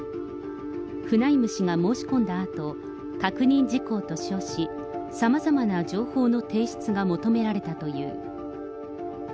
フナイム氏が申し込んだあと、確認事項と称し、さまざまな情報の提出が求められたという。